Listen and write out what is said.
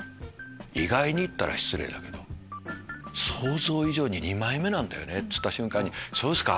意外にったら失礼だけど想像以上に二枚目なんだよねって言った瞬間にそうっすか？